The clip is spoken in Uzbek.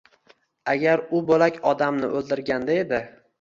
Agar u bo’lak odamni o’ldirganda edi.